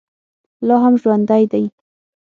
لا هم ژوندی دی.